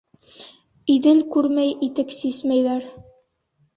Иҙел күрмәй итек сисмәйҙәр.